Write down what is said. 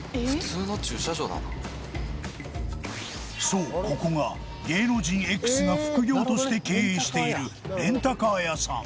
そうここが芸能人 Ｘ が副業として経営しているレンタカー屋さん